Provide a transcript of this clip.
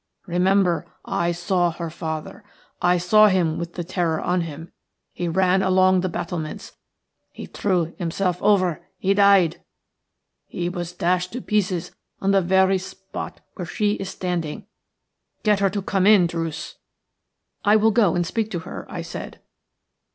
"Remember I saw her father – I saw him with the terror on him – he ran along the battlements; he threw himself over – he died. He was dashed to pieces on the very spot where she is standing. Get her to come in, Druce." "I will go and speak to her," I said.